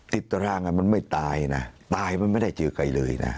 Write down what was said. ติดตร่างเมืองมันไม่ตายนะมันไม่ได้เจ้ากันเลยณ